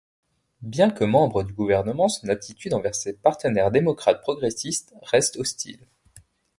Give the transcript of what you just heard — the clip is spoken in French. Bien que membre du gouvernement, son attitude envers ses partenaires Démocrates progressistes reste hostile.